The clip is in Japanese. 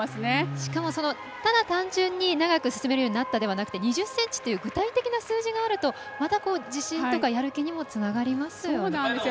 しかも、ただ単純に長く進めるようになったっていうのではなくて２０ｃｍっていう具体的な数字があるとまた自信とかやる気にもつながりますよね。